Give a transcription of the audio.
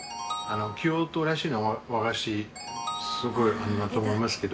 京都らしい和菓子すごいあるなと思いますけど。